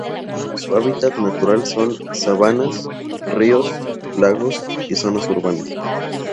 Su hábitat natural son: sabanas, ríos, lagos, y zona urbanas.